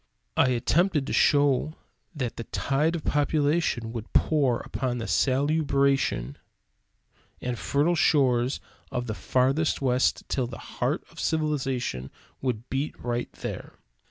I attempted to show that the tide of population would pour upon the salubrious and fertile shores of the farthest west till the heart of civilization would beat right there.